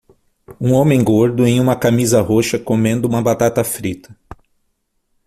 Um homem gordo em uma camisa roxa comendo uma batata frita.